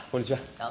どうも。